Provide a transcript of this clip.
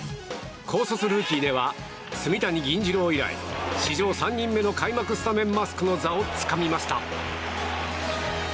高卒ルーキーでは炭谷銀仁朗以来史上３人目の開幕スタメンマスクの座をつかみました。